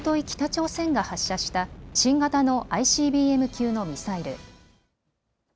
北朝鮮が発射した新型のＩＣＢＭ級のミサイル。